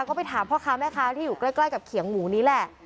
ก็ไปถามพ่อค้าแม่ค้าที่อยู่ใกล้กับเขียงหมูนี้แหละ